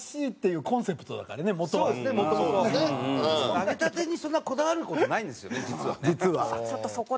揚げたてにそんなこだわる事ないんですよね実はね。